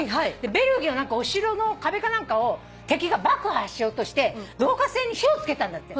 ベルギーのお城の壁か何かを敵が爆破しようとして導火線に火をつけたんだって。